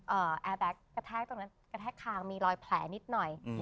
แอร์แบ็คกระแทกตรงนั้นกระแทกคางมีรอยแผลนิดหน่อยอืม